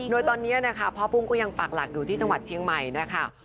โดยตอนนี้นะคะพ่อปุ้งก็ยังปากหลักอยู่ที่จังหวัดเชียงใหม่นะคะ